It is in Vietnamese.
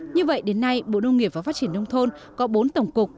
như vậy đến nay bộ nông nghiệp và phát triển nông thôn có bốn tổng cục